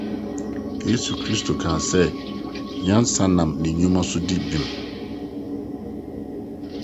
Yesu Kristo kae sɛ: Nyansa nam ne nnwuma so di bem.